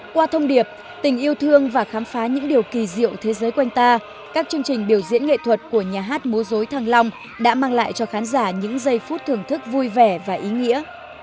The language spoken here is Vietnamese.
qua thông điệp tình yêu thương và khám phá những điều kỳ diệu thế giới quanh ta các chương trình biểu diễn nghệ thuật của nhà hát múa dối thăng long đã mang lại cho khán giả những giây phút thưởng thức vui vẻ và ý nghĩa